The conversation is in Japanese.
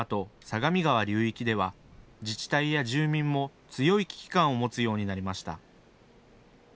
相模川流域では自治体や住民も強い危機感を持つようになりました。